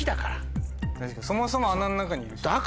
そもそも穴の中にいるし。